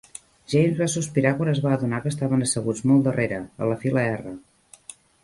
James va sospirar quan es va adonar que estaven asseguts molt darrere, en la fila R.